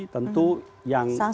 tentu yang akan